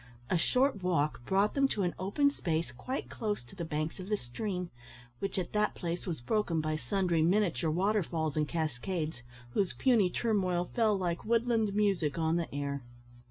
A short walk brought them to an open space quite close to the banks of the stream, which at that place was broken by sundry miniature waterfalls and cascades, whose puny turmoil fell like woodland music on the ear.